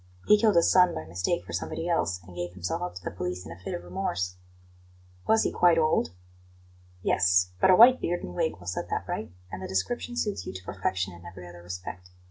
He killed his son by mistake for somebody else, and gave himself up to the police in a fit of remorse." "Was he quite old?" "Yes; but a white beard and wig will set that right, and the description suits you to perfection in every other respect.